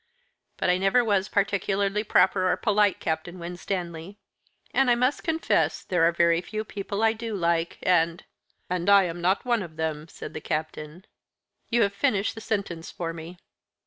But I never was particularly proper or polite, Captain Winstanley, and I must confess there are very few people I do like, and " "And I am not one of them," said the Captain. "You have finished the sentence for me."